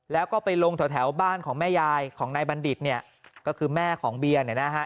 แล้วก็ไปลงแถวบ้านของแม่ยายของนายบัณฑิตเนี่ยก็คือแม่ของเบียร์เนี่ยนะฮะ